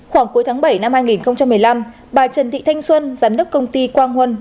khoảng cuối tháng bảy năm hai nghìn một mươi năm bà trần thị thanh xuân giám đốc công ty quang huân